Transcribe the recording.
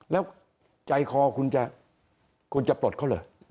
แล้วใจคอคุณจะปลดเขาเลย